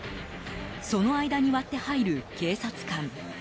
その間に割って入る警察官。